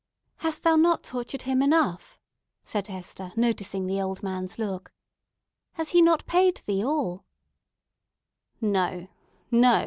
"Hast thou not tortured him enough?" said Hester, noticing the old man's look. "Has he not paid thee all?" "No, no!